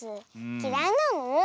きらいなの？